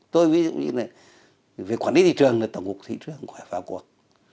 tôi ví dụ như thế này về quản lý thị trường là tổng cục thị trường phải vào cuộc